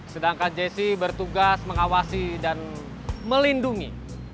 sedangkan jessi bertugas mengawasi dan melindungi